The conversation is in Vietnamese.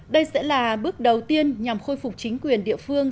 đây sẽ là bước đầu tiên nhằm khôi phục chính quyền địa phương